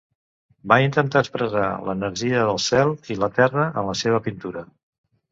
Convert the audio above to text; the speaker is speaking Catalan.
Va intentar expressar l'energia del cel i la terra en la seva pintura.